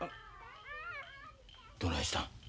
どないしたん？